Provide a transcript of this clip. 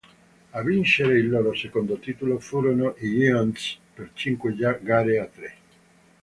A vincere il loro secondo titolo furono i Giants per cinque gare a tre.